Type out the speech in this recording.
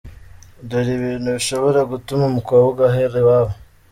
Dore ibintu bishobora gutuma umukobwa ahera iwabo :